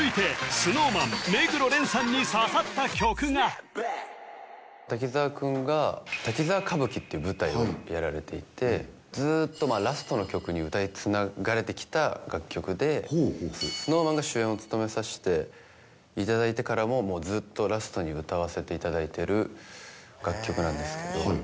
続いて滝沢くんが「滝沢歌舞伎」っていう舞台をやられていてずーっとラストの曲に歌いつながれてきた楽曲でほうほうほうＳｎｏｗＭａｎが主演を務めさせていただいてからももうずっとラストに歌わせていただいてる楽曲なんですけどはい